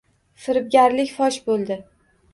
Firibgarlik fosh bo‘ldi